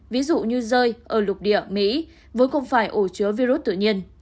ví dụ như rơi ở lục địa mỹ với không phải ổ chứa virus tự nhiên